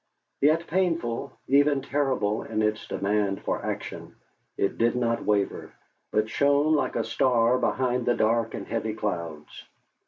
Yet painful, even terrible in its demand for action, it did not waver, but shone like a star behind the dark and heavy clouds.